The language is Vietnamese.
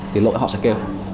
thì lỗi họ sẽ kêu